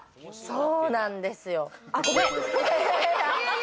そうなんですよ。